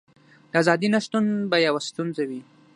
د ازادۍ نشتون به یوه ستونزه وي.